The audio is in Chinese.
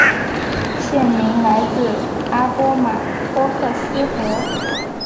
县名来自阿波马托克斯河。